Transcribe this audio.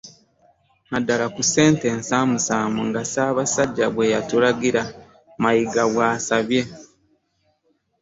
Naddala ku ssente ensaamusaamu nga Ssaabasajja bwe yatulagira, Mayiga bw'asabye.